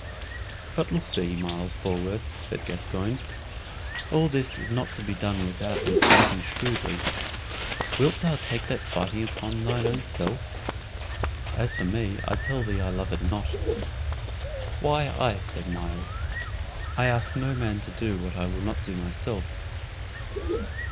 "But look thee, Myles Falworth," said Gascoyne, "all this is not to be done withouten fighting shrewdly. Wilt thou take that fighting upon thine own self? As for me, I tell thee I love it not." "Why, aye," said Myles; "I ask no man to do what I will not do myself."